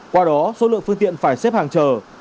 qua đó số lượng phương tiện phải xếp hàng chờ